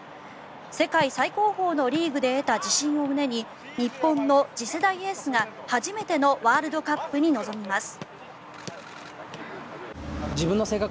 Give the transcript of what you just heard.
世界最高峰のリーグで得た自信を胸に日本の次世代エースが初めてのワールドカップに臨みます。